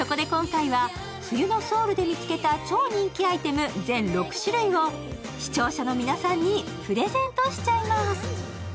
そこで今回は、冬のソウルで見つけた超人気アイテムを視聴者の皆さんにプレゼントしちゃいます。